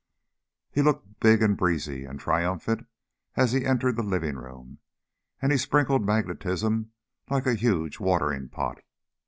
He looked big and breezy and triumphant as he entered the living room, and he sprinkled magnetism like a huge watering pot.